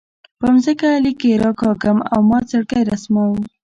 په ځمکه لیکې راکاږم او مات زړګۍ رسموم